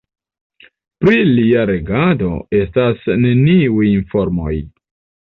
Pri lia regado restas neniuj informoj.